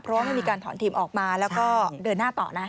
เพราะว่าไม่มีการถอนทีมออกมาแล้วก็เดินหน้าต่อนะ